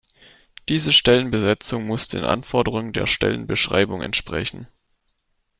Diese Stellenbesetzung muss den Anforderung der Stellenbeschreibung entsprechen.